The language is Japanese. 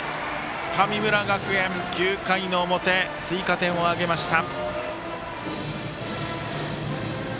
神村学園、９回の表追加点を挙げました。